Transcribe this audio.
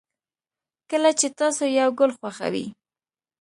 کله چې تاسو یو گل خوښوئ